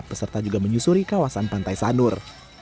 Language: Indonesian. peserta juga menyusuri kawasan pantai sanur